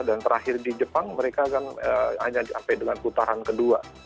dan terakhir di jepang mereka kan hanya sampai dengan putaran kedua